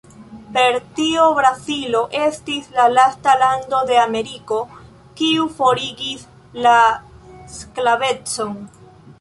Per tio Brazilo estis la lasta lando de Ameriko, kiu forigis la sklavecon.